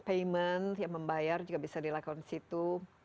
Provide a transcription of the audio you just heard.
payment yang membayar juga bisa dilakukan di situ